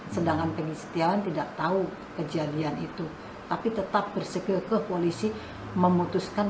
sedangkan pengisytiawan tidak tahu kejadian itu tapi tetap bersikil ke polisi memutuskan